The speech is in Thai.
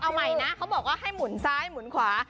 เอาใหม่นะเขาบอกว่าให้หมุนซ้ายหมุนขวา